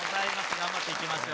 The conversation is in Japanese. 頑張っていきましょう。